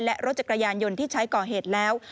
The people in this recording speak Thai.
และรถจักรยานยนต์ที่ใช้ก่อเหตุแล้ว